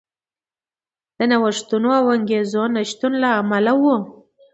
د نوښتونو او انګېزو نشتون له امله و.